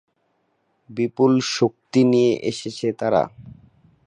বিপুল শক্তি নিয়ে এসেছে তারা।